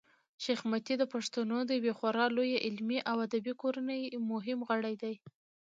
شېخ متي د پښتنو د یوې خورا لويي علمي او ادبي کورنۍمهم غړی دﺉ.